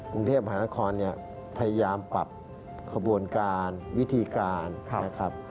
กรุงเทพมหานครเนี่ยพยายามปรับขบวนการวิธีการนะครับ